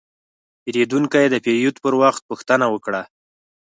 پیرودونکی د پیرود پر وخت پوښتنه وکړه.